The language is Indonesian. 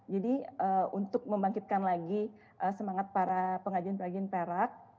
jadi untuk membangkitkan lagi semangat para pengrajin pengrajin perak